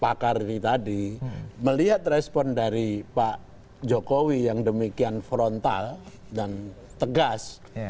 pak kardi tadi melihat respon dari pak jokowi yang demikian frontal dan tegas